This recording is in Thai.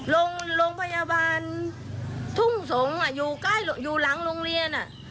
โรงพยาบาลทุ่งสงศ์อยู่หลังโรงเรียน